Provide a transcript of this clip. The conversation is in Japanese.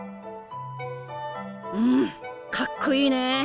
うんかっこいいね。